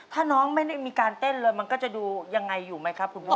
ถ้าน้องไม่มีการเต้นเลยมันก็จะดูยังไงอยู่ไหมครับคุณพ่อ